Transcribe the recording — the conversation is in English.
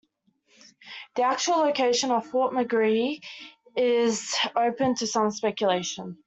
The actual location of Fort McRee is open to some speculation.